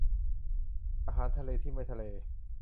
อาหารทะเลที่ไม่ทะเล